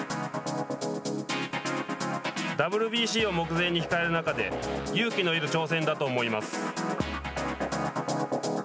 ＷＢＣを目前に控える中で勇気のいる挑戦だと思います。